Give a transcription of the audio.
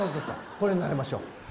これに慣れましょう。